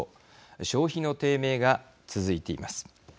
消費の低迷が続いています。